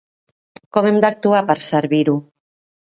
Com hem d'actuar per servir-ho?